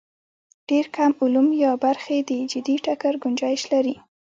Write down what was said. ډېر کم علوم یا برخې د جدي ټکر ګنجایش لري.